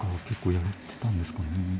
結構やれてたんですかね。